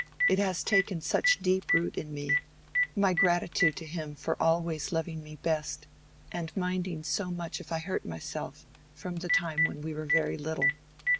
It has taken such deep root in me—my gratitude to him for always loving me best, and minding so much if I hurt myself, from the time when we were very little.